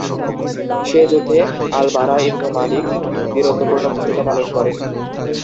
সে যুদ্ধে Al Bara ibn Malik বীরত্বপূর্ণ ভূমিকা পালন করেন।